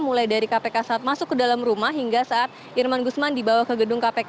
mulai dari kpk saat masuk ke dalam rumah hingga saat irman gusman dibawa ke gedung kpk